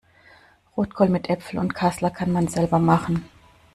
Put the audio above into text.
Rotkohl mit Äpfeln und Kassler kann man selber machen.